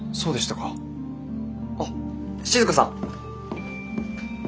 あっ静さん。